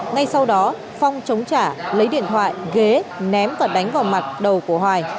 ngay sau đó phong chống trả lấy điện thoại ghế ném và đánh vào mặt đầu của hoài